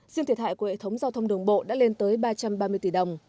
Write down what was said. riêng thiệt hại của hệ thống giao thông đường bộ đã lên tới ba trăm ba mươi tỷ đồng